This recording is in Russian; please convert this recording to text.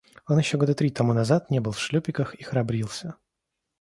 Он еще года три тому назад не был в шлюпиках и храбрился.